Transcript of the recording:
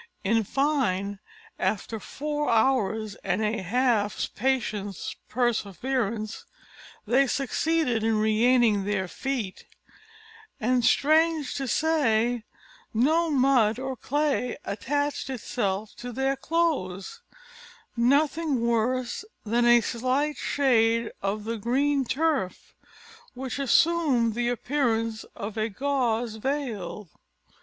In fine, after four hours and a half's patient perseverance they succeeded in regaining their feet; and strange to say, no mud or clay attached itself to their clothes; nothing worse than a slight shade of the green turf, which assumed the appearance of a gauze veil.